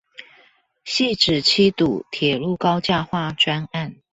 汐止七堵鐵路高架化專案